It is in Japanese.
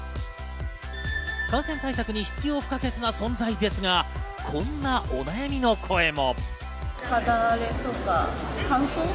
感染対策に必要不可欠な存在ですが、こんなお悩みの声も。